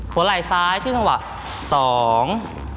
ไหล่ซ้ายที่จังหวะสอง